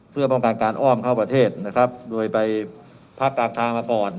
เพื่อป้องกันการอ้อมเข้าประเทศนะครับโดยไปพักกลางทางมาก่อน